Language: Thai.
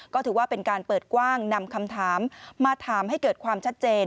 ก็ถือว่าเป็นการเปิดกว้างนำคำถามมาถามให้เกิดความชัดเจน